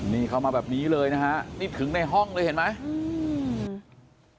นี่เข้ามาแบบนี้เลยนะฮะนี่ถึงในห้องเลยเห็นไหมอืม